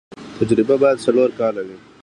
تجربه باید څلور کاله وي.